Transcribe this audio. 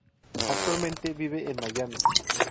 Actualmente vive en Miami.